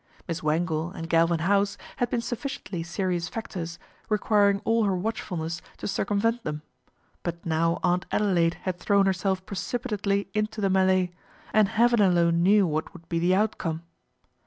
Miss Wangle and Galvin House had been sufficiently serious factors, re quiring all her watchfulness to circumvent them ; but now Aunt Adelaide had thrown herself pre cipitately into the melee, and heaven alone knew what would be the outcome